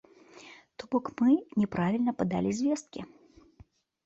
То бок мы няправільна падалі звесткі.